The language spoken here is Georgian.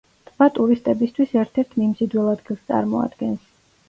ტბა ტურისტებისთვის ერთ-ერთ მიმზიდველ ადგილს წარმოადგენს.